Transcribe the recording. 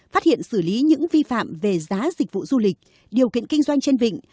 phát hiện xử lý những vi phạm về giá dịch vụ du lịch điều kiện kinh doanh trên vịnh